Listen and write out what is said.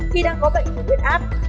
khi đang có bệnh huyết áp